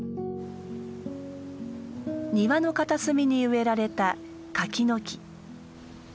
庭の片隅に植えられた柿の木。